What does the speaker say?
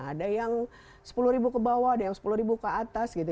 ada yang sepuluh ribu ke bawah ada yang sepuluh ribu ke atas gitu